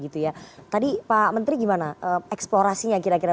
tadi pak menteri gimana eksplorasinya kira kira